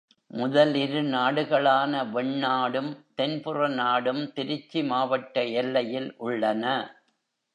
முதல் இரு நாடுகளான வெண்ணாடும், தென்புற நாடும் திருச்சி மாவட்ட எல்லையில் உள்ளன.